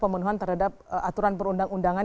pemenuhan terhadap aturan perundang undangan